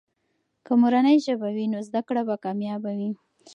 که مورنۍ ژبه وي، نو زده کړه به کامیابه وي.